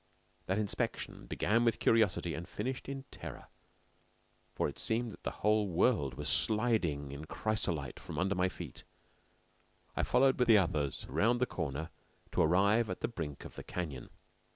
That inspection began with curiosity and finished in terror, for it seemed that the whole world was sliding in chrysolite from under my feet. I followed with the others round the corner to arrive at the brink of the canyon.